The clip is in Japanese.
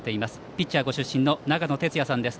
ピッチャーご出身の長野哲也さんです。